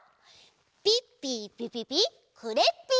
ピッピーピピピクレッピー！